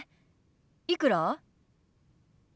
いくら？